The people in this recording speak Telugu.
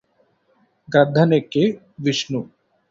గ్రద్దనెక్కె విష్ణు